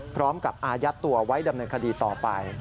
อายัดตัวไว้ดำเนินคดีต่อไป